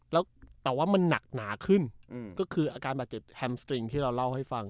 แล้วแต่ว่ามันหนักหนาขึ้นก็คืออาการบาดเจ็บแฮมสตริงที่เราเล่าให้ฟัง